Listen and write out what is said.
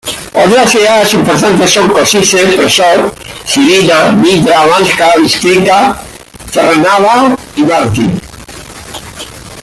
Otras ciudades importantes son Košice, Prešov, Žilina, Nitra, Banská Bystrica, Trnava y Martin.